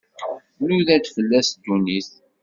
Nnuda-d fell-as ddunit.